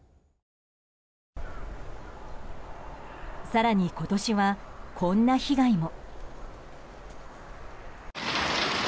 更に今年は、こんな被害も。